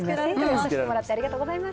助けてもらってありがとうございます。